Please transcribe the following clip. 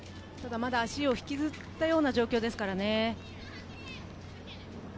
まだ足を引きずったような状況ですからね。